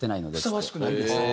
ふさわしくないですと。